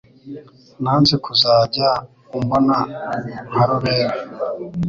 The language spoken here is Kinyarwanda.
nanze kuzajya umbona nka rubebe